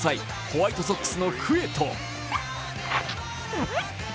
ホワイトソックスのクエト。